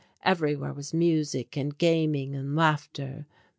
Everywhere was music and gaming and laughter.